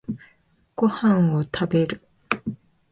ご飯を食べる